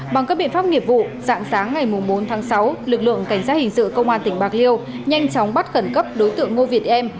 bằng các biện pháp nghiệp vụ dạng sáng ngày bốn tháng sáu lực lượng cảnh sát hình sự công an tỉnh bạc liêu nhanh chóng bắt khẩn cấp đối tượng ngô việt em